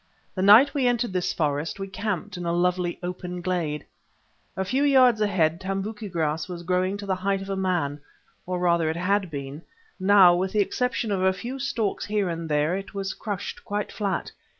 The night we entered this forest we camped in a lovely open glade. A few yards ahead tambouki grass was growing to the height of a man, or rather it had been; now, with the exception of a few stalks here and there, it was crushed quite flat.